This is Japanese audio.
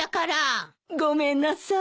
ごめんなさい。